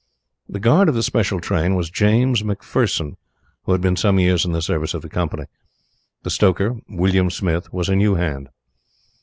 The guard of the special train was James McPherson, who had been some years in the service of the company. The stoker, William Smith, was a new hand.